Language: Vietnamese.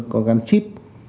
có gắn chip